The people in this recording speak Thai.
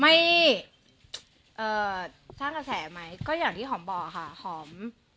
เอ่อสร้างกระแสไหมก็อย่างที่หอมบอกค่ะหอม